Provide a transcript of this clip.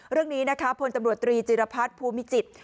เรื่องนี้นะครับพลตรีจีรพรรดิภูมิจิตร